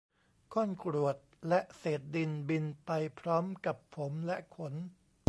ก้อนกรวดและเศษดินบินไปพร้อมกับผมและขน